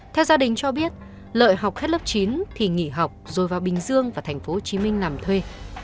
theo gia đình cho biết lợi học hết lớp chín thì nghỉ học rồi vào bình dương và thành phố hồ chí minh làm thuê